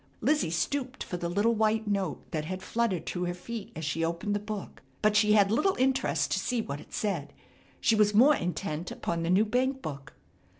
Lizzie stooped for the little white note that had fluttered to her feet as she opened the book, but she had little interest to see what it said. She was more intent upon the new bank book.